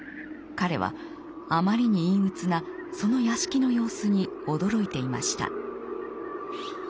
彼はあまりに陰鬱なその屋敷の様子に驚いていました。